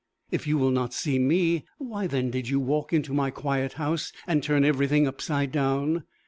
If you will not see me, why then did you walk into my quiet house, and turn everything upside down?